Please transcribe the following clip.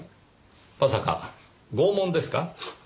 まさか拷問ですか？